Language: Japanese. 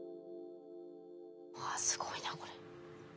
わすごいなこれ。